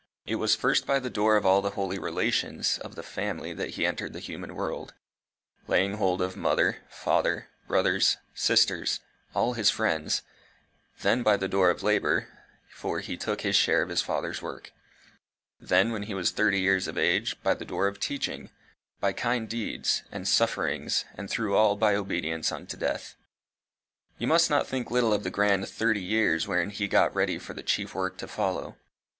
It was first by the door of all the holy relations of the family that he entered the human world, laying hold of mother, father, brothers, sisters, all his friends; then by the door of labour, for he took his share of his father's work; then, when he was thirty years of age, by the door of teaching; by kind deeds, and sufferings, and through all by obedience unto the death. You must not think little of the grand thirty years wherein he got ready for the chief work to follow.